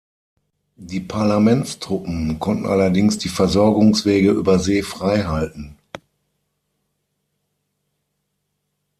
Die Parlamentstruppen konnten allerdings die Versorgungswege über See freihalten.